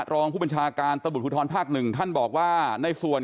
รองผู้บัญชาการตำรวจภูทรภาคหนึ่งท่านบอกว่าในส่วน